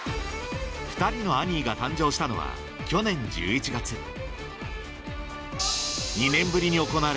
２人のアニーが誕生したのは去年１１月やめて！